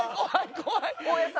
怖い！